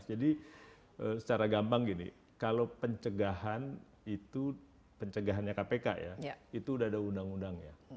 jadi secara gampang gini kalau pencegahan itu pencegahannya kpk ya itu udah ada undang undangnya